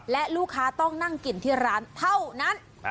และลูกค้าต้องนั่งกินที่ร้านเท่านั้น